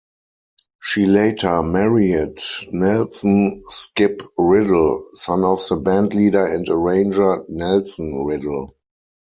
She later married Nelson "Skip" Riddle, son of the bandleader and arranger Nelson Riddle.